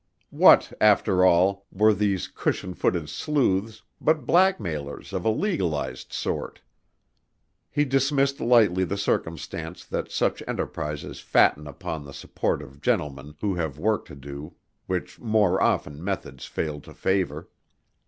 What, after all, were these cushion footed sleuths but blackmailers of a legalized sort? He dismissed lightly the circumstance that such enterprises fatten upon the support of gentlemen who have work to do which more open methods fail to favor.